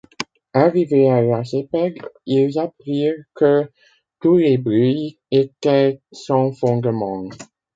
Arrivés à Lacépède ils apprirent que tous les bruits étaient sans fondement.